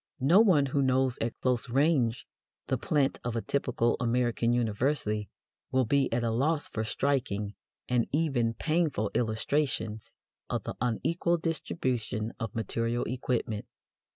No one who knows at close range the "plant" of a typical American university will be at a loss for striking and even painful illustrations of the unequal distribution of material equipment.